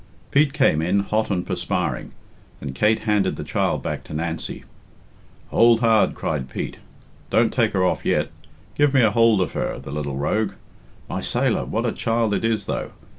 Pete came in, hot and perspiring, and Kate handed the child back to Nancy. "Hould hard," cried Pete; "don't take her off yet. Give me a hould of her, the lil rogue. My sailor! What a child it is, though!